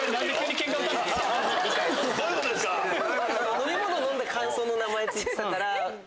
飲み物飲んだ感想の名前って言ってたから。